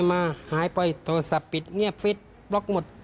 มาหายไปโทรศัพท์ปิดเงียบฟิตบล็อกหมด